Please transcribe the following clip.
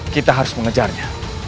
kita harus mengejarnya